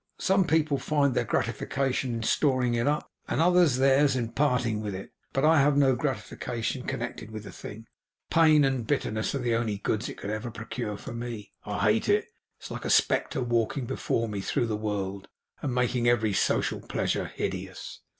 Some people find their gratification in storing it up; and others theirs in parting with it; but I have no gratification connected with the thing. Pain and bitterness are the only goods it ever could procure for me. I hate it. It is a spectre walking before me through the world, and making every social pleasure hideous.